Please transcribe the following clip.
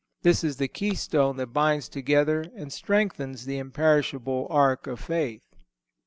This is the keystone that binds together and strengthens the imperishable arch of faith.